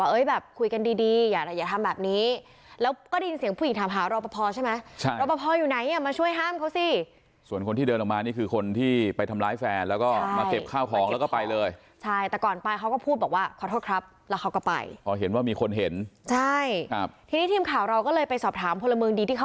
เอ้ยแบบคุยกันดีดีอย่าอย่าทำแบบนี้แล้วก็ได้ยินเสียงผู้หญิงถามหารอปภใช่ไหมใช่รอปภอยู่ไหนอ่ะมาช่วยห้ามเขาสิส่วนคนที่เดินออกมานี่คือคนที่ไปทำร้ายแฟนแล้วก็มาเก็บข้าวของแล้วก็ไปเลยใช่แต่ก่อนไปเขาก็พูดบอกว่าขอโทษครับแล้วเขาก็ไปพอเห็นว่ามีคนเห็นใช่ครับทีนี้ทีมข่าวเราก็เลยไปสอบถามพลเมืองดีที่เขา